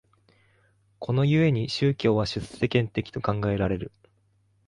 この故に宗教は出世間的と考えられる。